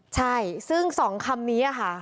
ใช่ซึ่ง๒คำนี้ค่ะ